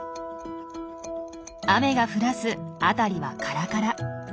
雨が降らず辺りはカラカラ。